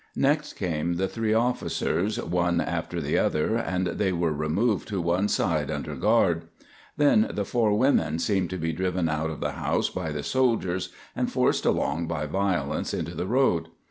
Next came the three officers, one after the other, and they were removed to one side under guard. Then the four women seemed to be driven out of the house by the soldiers, and forced along by violence into the road.